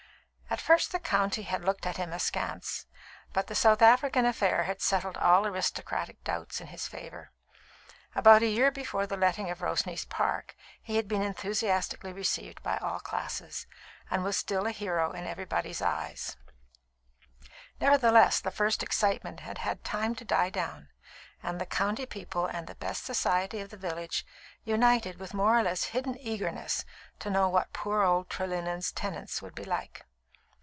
At first the county had looked at him askance, but the South African affair had settled all aristocratic doubts in his favour. About a year before the letting of Roseneath Park he had been enthusiastically received by all classes, and was still a hero in everybody's eyes; nevertheless, the first excitement had had time to die down, and the county people and the "best society" of the village united with more or less hidden eagerness to know what poor old Lord Trelinnen's tenants would be like.